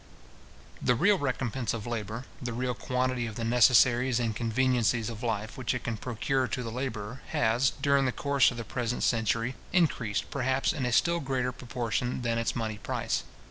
The real recompence of labour, the real quantity of the necessaries and conveniencies of life which it can procure to the labourer, has, during the course of the present century, increased perhaps in a still greater proportion than its money price.